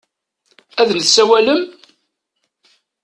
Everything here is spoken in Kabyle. Ad n-tsawalem?